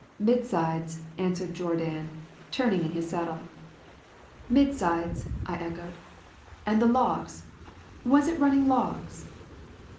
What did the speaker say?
"'Mid sides," answered Jourdan, turning around in his saddle. "'Mid sides!" I echoed; "and the logs? Was it running logs?"